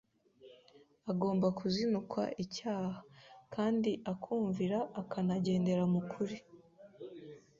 Agomba kuzinukwa icyaha, kandi akumvira akanagendera mu kuri